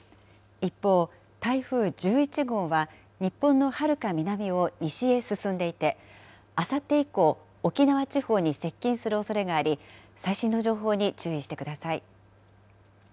一方、台風１１号は日本のはるか南を西へ進んでいて、あさって以降、沖縄地方に接近するおそれがあり、最新の情報に注意してください。